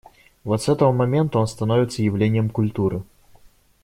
Вот с этого момента он становится явлением культуры.